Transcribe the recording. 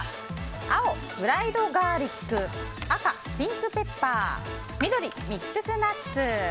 青、フライドガーリック赤、ピンクペッパー緑、ミックスナッツ。